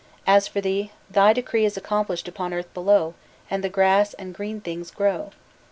As for thee, thy decree is accomplished upon earth below, and the grass and green things grow!